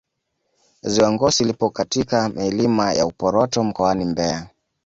ziwa ngosi lipo katika ya milima ya uporoto mkoani mbeya